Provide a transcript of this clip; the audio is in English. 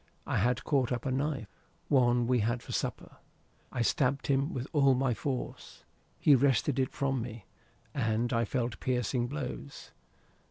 I had caught up a knife, one we had for supper. I stabbed him with all my force. He wrested it from me, and I felt piercing blows.